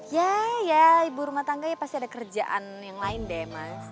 ya ya ibu rumah tangga ya pasti ada kerjaan yang lain deh mas